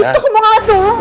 itu kemanaan tuh